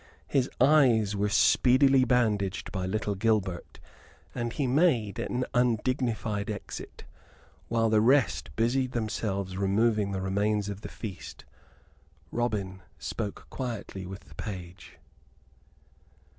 His eyes were speedily bandaged by little Gilbert, and he made an undignified exit. Whilst the rest busied themselves removing the remains of the feast, Robin spoke quietly with the page.